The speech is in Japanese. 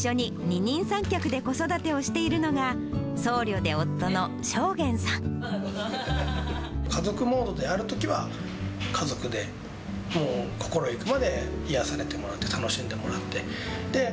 ていきょうさんと一緒に二人三脚で子育てをしているのが、僧侶で家族モードでやるときは、家族でもう心ゆくまで癒やされてもらって、楽しんでもらって。